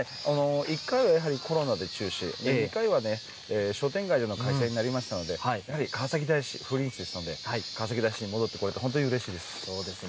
１回はやはりコロナで中止、２回はね、商店街での開催になりましたので、やはり川崎大師風鈴市ですので、川崎大師に戻ってこれて、本当にうれしいです。